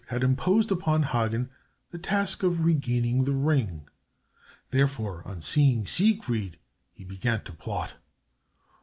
Alberich had imposed upon Hagen the task of regaining the ring. Therefore, on seeing Siegfried, he began to plot.